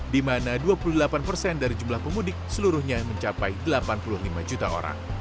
di mana dua puluh delapan persen dari jumlah pemudik seluruhnya mencapai delapan puluh lima juta orang